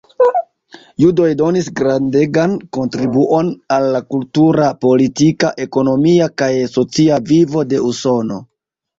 Judoj donis grandegan kontribuon al la kultura, politika, ekonomia kaj socia vivo de Usono.